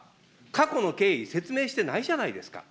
過去の経緯、説明してないじゃないですか。